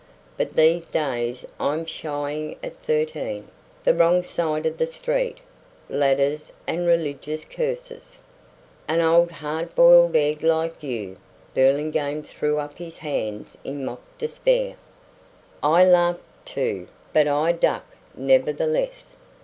But these days I'm shying at thirteen, the wrong side of the street, ladders, and religious curses." "An old hard boiled egg like you?" Burlingame threw up his hands in mock despair. "I laugh, too; but I duck, nevertheless.